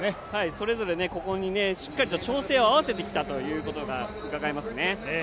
それぞれここにしっかり調整を合わせてきたことがうかがえますね。